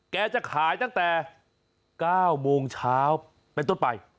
จะขายตั้งแต่๙โมงเช้าเป็นต้นไป